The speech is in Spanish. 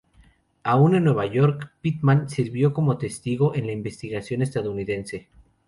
Aún en Nueva York, Pitman sirvió como testigo en la investigación estadounidense.